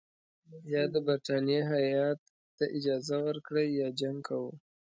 یا د برټانیې هیات ته اجازه ورکړئ یا جنګ کوو.